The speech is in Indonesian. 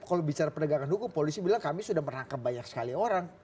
kalau bicara penegakan hukum polisi bilang kami sudah merangkap banyak sekali orang